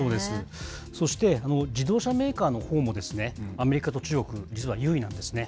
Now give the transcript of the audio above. そして、自動車メーカーのほうもですね、アメリカと中国、実は優位なんですね。